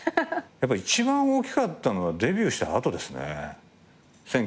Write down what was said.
一番大きかったのはデビューした後ですね。